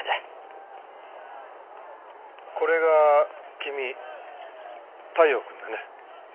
これが君太陽くんだね？